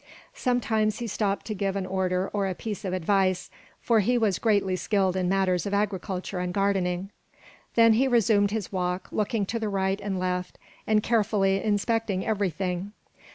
Sometimes he stopped to give an order or a piece of advice, for he was greatly skilled in matters of agriculture and gardening. Then he resumed his walk, looking to the right and left and carefully inspecting everything.